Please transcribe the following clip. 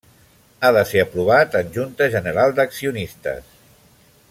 Ha de ser aprovat en junta general d'accionistes.